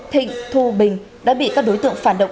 thịnh thu bình đã bị các đối tượng phản động